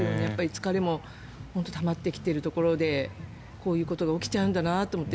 疲れもたまってきてるところでこういうことが起きちゃうんだなと思って。